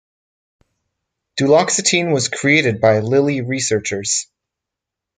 Duloxetine was created by Lilly researchers.